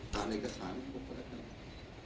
การเอกสารพบกันละครับ